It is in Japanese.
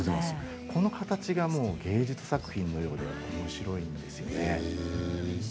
この形が芸術作品のようでおもしろいんです。